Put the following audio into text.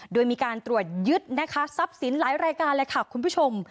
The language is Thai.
โดยมีการตรวจยึดนะคะทรัพย์สินหลายรายการเลยค่ะคุณผู้ชม